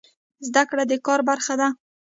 زده کړه د کار برخه ده